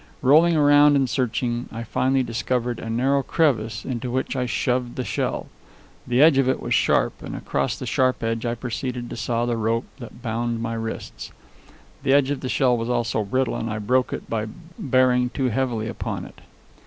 Rolling around and searching, I finally discovered a narrow crevice, into which I shoved the shell. The edge of it was sharp, and across the sharp edge I proceeded to saw the rope that bound my wrists. The edge of the shell was also brittle, and I broke it by bearing too heavily upon it.